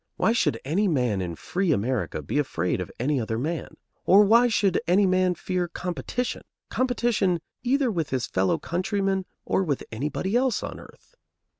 Why should any man in free America be afraid of any other man? Or why should any man fear competition, competition either with his fellow countrymen or with anybody else on earth?